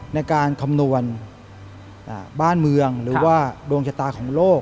ในการคำนวณบ้านเมืองหรือว่าดวงชะตาของโลก